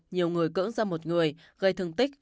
nhiều người cưỡng ra một người gây thương tích